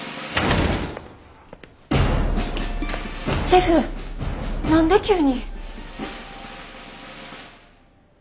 シェフ何で急に？